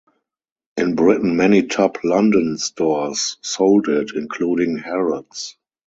In Britain many top London stores sold it, including Harrods.